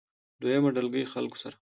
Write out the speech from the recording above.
دويمه ډلګۍ خلکو سره